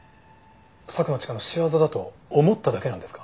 佐久間千佳の仕業だと思っただけなんですか？